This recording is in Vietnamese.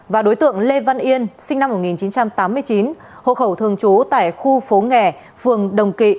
và đối tượng lê văn yên sinh năm một nghìn chín trăm tám mươi chín hộ khẩu thường trú tại khu phố nghè phường đồng kỵ